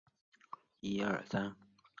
清真寺是以凯库巴德一世命名。